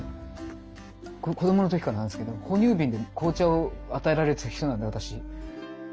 子どもの時からなんですけど哺乳瓶で紅茶を与えられてる人なんで私。